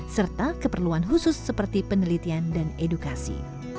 serta keperluan khusus seperti penelitian dan edukasi